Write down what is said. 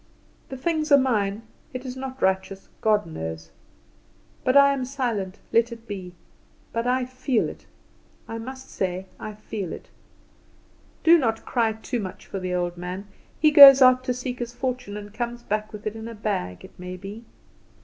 The things are mine: it is not righteous, God knows? But I am silent. Let it be. But I feel it, I must say I feel it. "Do not cry too much for the old man. He goes out to seek his fortune, and comes back with it in a bag, it may be.